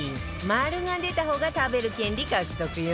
丸が出た方が食べる権利獲得よ